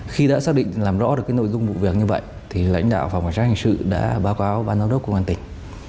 khi đã xác định làm rõ được nội dung vụ việc như vậy lãnh đạo phòng quản sát hình sự đã báo cáo ban giám đốc công an tỉnh